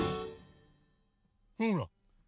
ほら！